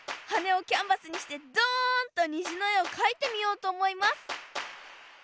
はねをキャンバスにしてドンとにじのえをかいてみようとおもいます